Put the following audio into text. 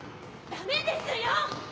・ダメですよ！